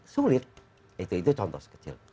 sulit itu contoh sekecil